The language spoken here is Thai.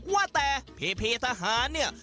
ว่าแต่เพทหารเนี่ย